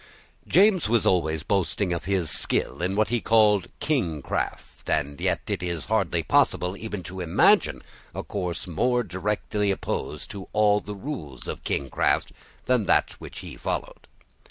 James was always boasting of his skill in what he called kingcraft; and yet it is hardly possible even to imagine a course more directly opposed to all the rules of kingcraft, than that which he followed.